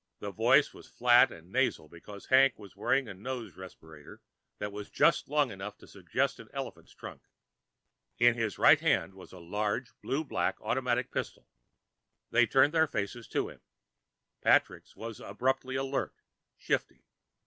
The voice was flat and nasal because Hank was wearing a nose respirator that was just long enough to suggest an elephant's trunk. In his right hand was a large blue black automatic pistol. They turned their faces to him. Patrick's was abruptly alert, shifty.